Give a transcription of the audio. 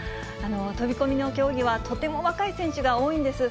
飛び込みの競技はとても若い選手が多いんです。